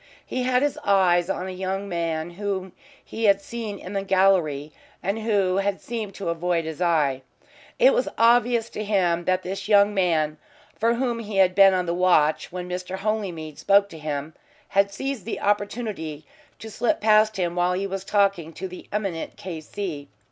He had his eyes on a young man whom he had seen in the gallery, and who had seemed to avoid his eye. It was obvious to him that this young man, for whom he had been on the watch when Mr. Holymead spoke to him, had seized the opportunity to slip past him while he was talking to the eminent K.C.